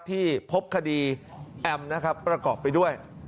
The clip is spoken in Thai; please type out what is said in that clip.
ที่พบคดีแอมนะครับประกอบไปด้วย